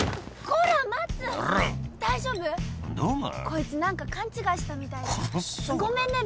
こいつ何か勘違いしたみたいで。